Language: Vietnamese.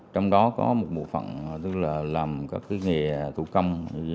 trong đó có một bộ phận tức là làm các cái nghề tủ căm